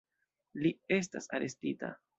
Li estas arestita.